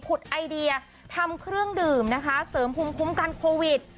ไอเดียทำเครื่องดื่มนะคะเสริมภูมิคุ้มกันโควิด